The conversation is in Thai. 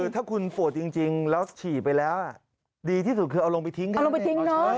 ถ้าคุณโฟดจริงแล้วฉีอไปแล้วดีที่สุดคือเอาลงไปทิ้ง